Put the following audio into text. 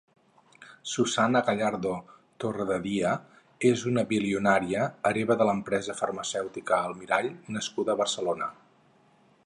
Susana Gallardo Torrededia és una bilionària, hereva de l'empresa farmacèutica Almirall nascuda a Barcelona.